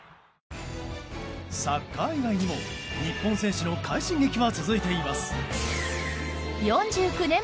サッカー以外にも日本選手の快進撃は続いています。